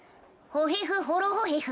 ホヘフホロホへフ。